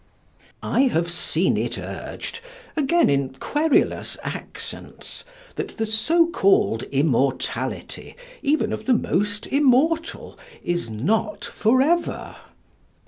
I have seen it urged, again, in querulous accents, that the so called immortality even of the most immortal is not for ever.